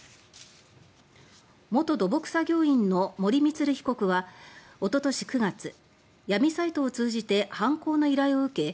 元土木作業員の森満被告はおととし９月闇サイトを通じて犯行の依頼を受け